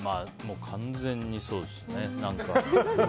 完全にそうですよね。